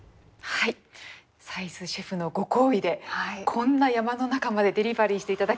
はい斉須シェフのご厚意でこんな山の中までデリバリーして頂きました。